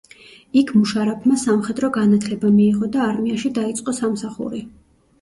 იქ მუშარაფმა სამხედრო განათლება მიიღო და არმიაში დაიწყო სამსახური.